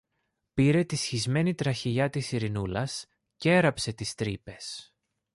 πήρε τη σχισμένη τραχηλιά της Ειρηνούλας κι έραψε τις τρύπες.